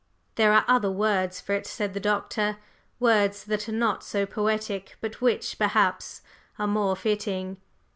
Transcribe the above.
'" "There are other words for it," said the Doctor. "Words that are not so poetic, but which, perhaps, are more fitting."